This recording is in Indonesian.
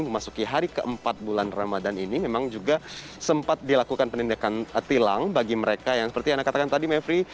memasuki hari keempat bulan ramadan ini memang juga sempat dilakukan penindakan tilang bagi mereka yang seperti anda katakan tadi mevri